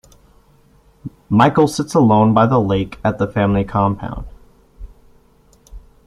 Michael sits alone by the lake at the family compound.